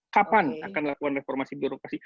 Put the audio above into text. kapan akan lakukan reformasi birokrasi